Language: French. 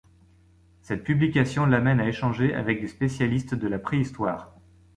Cette publication l'amène à échanger avec des spécialistes de la Préhistoire.